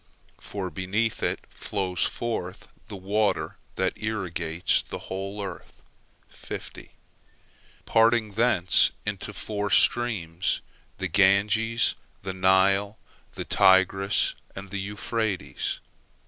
From beneath it flows forth the water that irrigates the whole earth, parting thence into four streams, the Ganges, the Nile, the Tigris, and the Euphrates.